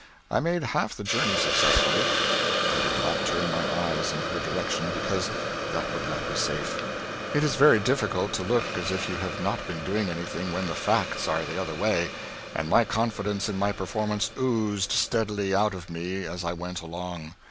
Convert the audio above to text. I made half the journey successfully. I did not turn my eyes in her direction, because that would not be safe. It is very difficult to look as if you have not been doing anything when the facts are the other way, and my confidence in my performance oozed steadily out of me as I went along.